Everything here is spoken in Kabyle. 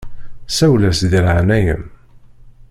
Sawel-as di leɛnaya-m.